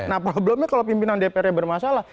nah problemnya kalau pimpinan dprnya bermasalah